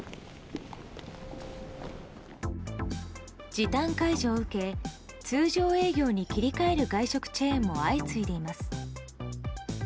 時短解除を受け通常営業に切り替える外食チェーンも相次いでいます。